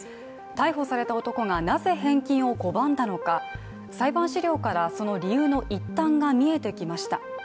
逮捕された男がなぜ返金を拒んだのか、裁判資料からその理由の一端が見えてきました。